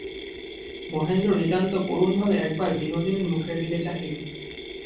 মহেন্দ্র নিতান্ত করুণভাবে একবার বিনোদিনীর মুখের দিকে চাহিল।